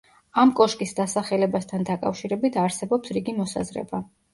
ამ კოშკის დასახელებასთან დაკავშირებით არსებობს რიგი მოსაზრება.